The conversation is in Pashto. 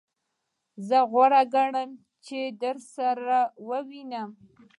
زه غوره ګڼم چی درسره ووینم.